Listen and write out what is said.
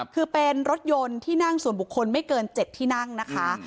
คือเป็นรถยนต์ที่นั่งส่วนบุคคลไม่เกิน๗ที่นั่งนะคะ